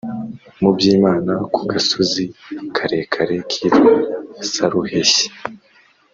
mu Byimana ku gasozi karekare kitwa Saruheshyi